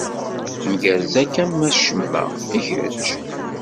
Ngerrez akka am acema. I kečč?